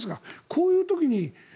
こういう時に。